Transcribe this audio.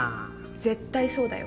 絶対そうだよ！